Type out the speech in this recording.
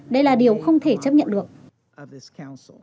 đây là điều không thể chấp nhận được